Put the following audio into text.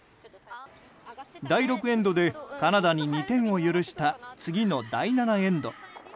第６エンドでカナダに２点を許した次の第７エンド。